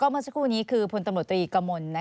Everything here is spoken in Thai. งั้นทุกคู่นี้คือผลตำรวจตรีกกัมมล